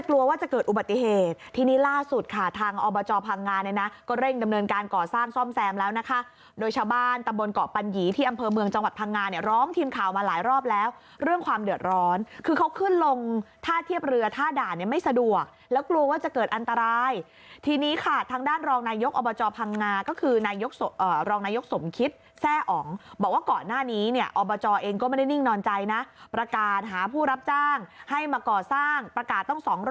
ประวัติพังงานเนี่ยร้องทีมข่าวมาหลายรอบแล้วเรื่องความเดือดร้อนคือเขาขึ้นลงท่าเทียบเรือท่าด่านเนี่ยไม่สะดวกแล้วกลัวว่าจะเกิดอันตรายทีนี้ค่ะทางด้านรองนายกอบจพังงาก็คือรองนายกสมคิตแทร่อ่องบอกว่าก่อนหน้านี้เนี่ยอบจเองก็ไม่ได้นิ่งนอนใจนะประกาศหาผู้รับจ้างให้มาก่อสร้างประกาศ